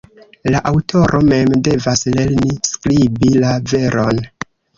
La aŭtoro mem devas lerni skribi la veron.